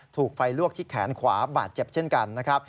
ถูกไฟลวกที่แขนขวาบาดเจ็บเช่นกันนะครับ